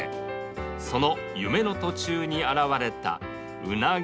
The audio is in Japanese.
その夢の途中に現れたうなぎ